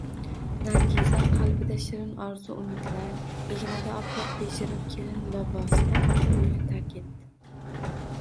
Nargiza qalbida shirin orzu-umidlar, egnida oppoq bejirim kelin libosida ota uyini tark etdi